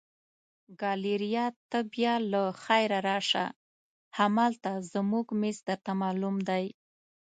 ګالیریا ته بیا له خیره راشه، همالته زموږ مېز درته معلوم دی.